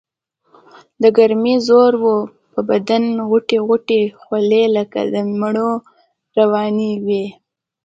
دګرمۍ زور وو پۀ بدن غوټۍ غوټۍ خولې لکه د مېږو روانې وي ـ